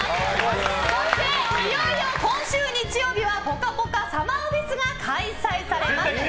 そして、いよいよ今週日曜日はぽかぽかＳＵＭＭＥＲＦＥＳが開催されます。